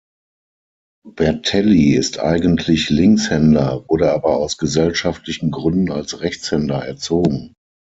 Bertelli ist eigentlich Linkshänder, wurde aber aus gesellschaftlichen Gründen als Rechtshänder erzogen.